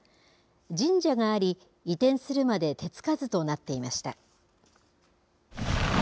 神社があり、移転するまで手付かずとなっていました。